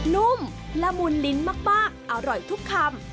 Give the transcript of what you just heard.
นุ่มละมุนลิ้นมากอร่อยทุกคำ